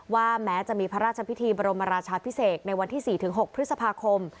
แม้จะมีพระราชพิธีบรมราชาพิเศษในวันที่๔๖พฤษภาคม